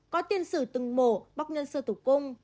có tiền sử từng mổ bóc nhân sơ tủ cung